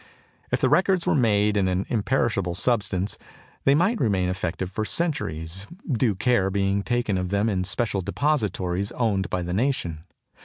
If the records were made in an imperishable substance they might remain effective for centuries, due care being taken of them in special depositories owned by the nation.